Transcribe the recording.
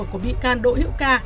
của bị can đỗ hiệu ca